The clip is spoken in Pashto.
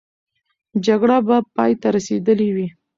جګړه به پای ته رسېدلې وي.